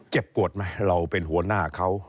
เจ็บปวดไหมเราเป็นหัวหน้าเขา